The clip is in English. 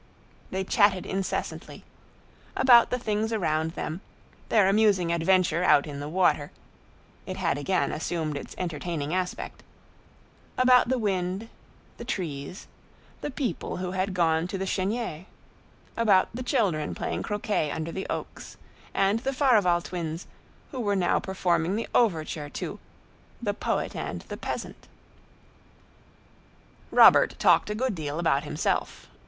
They chatted incessantly: about the things around them; their amusing adventure out in the water—it had again assumed its entertaining aspect; about the wind, the trees, the people who had gone to the Chênière; about the children playing croquet under the oaks, and the Farival twins, who were now performing the overture to "The Poet and the Peasant." Robert talked a good deal about himself.